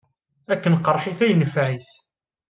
Akken qerrḥit ay nefɛit.